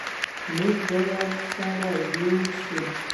موږ باید سره ېو شو